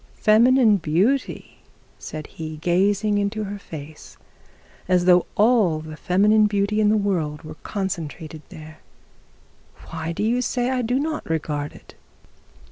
'Feminine beauty!' said he, gazing into her face, as though all the feminine beauty in the world was concentrated there. 'Why do you say I do not regard it?'